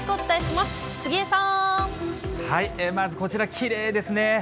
まずこちら、きれいですね。